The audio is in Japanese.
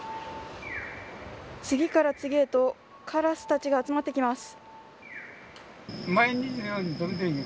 次から次へとカラスたちが集まってきます。